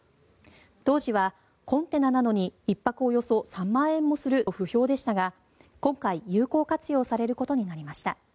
当時はコンテナなのに１泊３万円もすると不評でしたが今回、有効活用されることになりました。